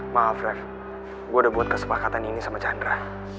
maaf ref gue udah buat kesepakatan ini sama chandra